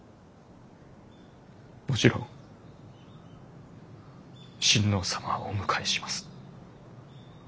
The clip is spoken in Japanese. もちろん親王様はお迎えします。